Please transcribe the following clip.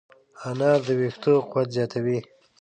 انار د ویښتو قوت زیاتوي.